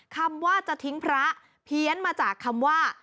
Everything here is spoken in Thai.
คำว่าจะทิ้งพระเพี้ยนมาจากคำว่า